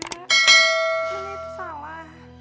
umi itu salah